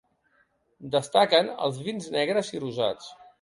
Destaquen els vins negres i rosats.